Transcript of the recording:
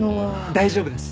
大丈夫です。